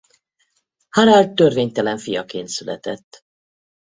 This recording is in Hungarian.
Harald törvénytelen fiaként született.